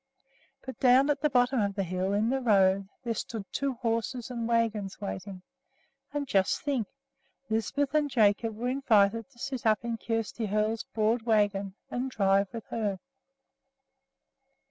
But down at the bottom of the hill, in the road, there stood two horses and wagons waiting; and, just think! Lisbeth and Jacob were invited to sit up in Kjersti Hoel's broad wagon and drive with her.